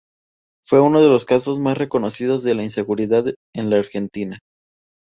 Fue uno de los casos más reconocidos de la inseguridad en la Argentina.